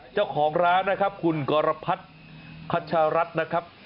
เจ้าของร้านนะครับคุณกรพัฒน์คัชรัฐนะครับ